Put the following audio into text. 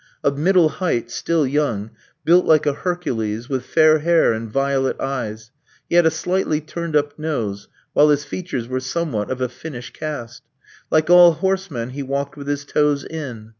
Of middle height, still young, built like a Hercules, with fair hair and violet eyes; he had a slightly turned up nose, while his features were somewhat of a Finnish cast. Like all horsemen, he walked with his toes in.